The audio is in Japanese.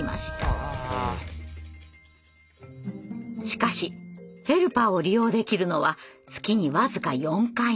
しかしヘルパーを利用できるのは月に僅か４回のみ。